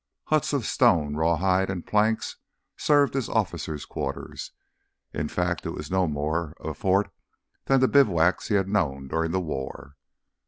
Huts of stone, rawhide, and planks served as officers' quarters. In fact it was no more a fort than the bivouacs he had known during the war.